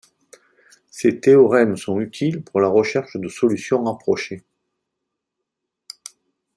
Ces théorèmes sont utiles pour la recherche de solutions approchées.